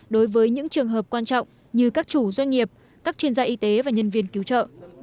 đối với những trường hợp quan trọng như các chủ doanh nghiệp các chuyên gia y tế và nhân viên cứu trợ